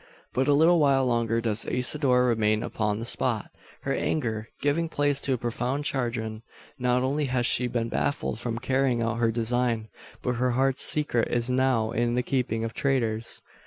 But a little while longer does Isidora remain upon the spot her anger giving place to a profound chagrin. Not only has she been baffled from carrying out her design; but her heart's secret is now in the keeping of traitors!